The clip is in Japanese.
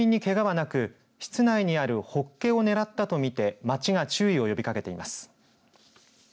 住民にけがはなく室内にあるホッケをねらったとみて町が注意を呼びかけています。